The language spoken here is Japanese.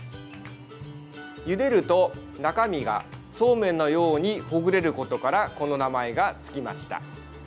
ゆでると中身がそうめんのようにほぐれることからこの名前がつきました。